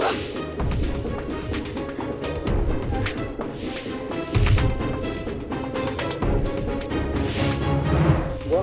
tapi pasti kembali